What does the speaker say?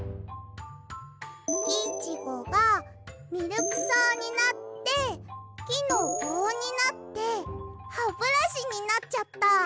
キイチゴがミルクそうになってきのぼうになってハブラシになっちゃった。